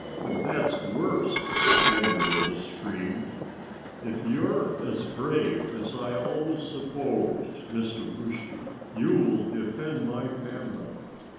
And that's worse," Henrietta screamed. "If you're as brave as I always supposed, Mr. Rooster, you'll defend my family."